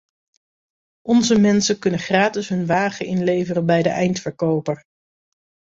Onze mensen kunnen gratis hun wagen inleveren bij de eindverkoper.